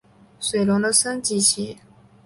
水龙的升级棋。